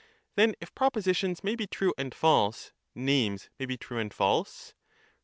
Then, if propositions may be true and false, names may be true and false? Her.